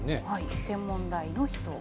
天文台の人は。